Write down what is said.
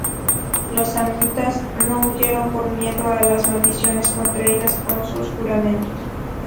Los samnitas no huyeron por miedo a las maldiciones contraídas con sus juramentos.